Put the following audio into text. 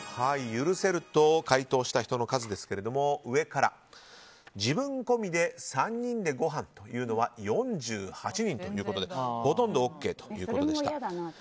許せると回答した人の数は自分込みで３人でごはんは４８人ということでほとんどＯＫということでした。